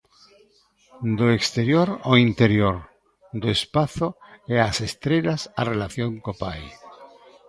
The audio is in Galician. Do exterior ao interior, do espazo e as estrelas á relación co pai.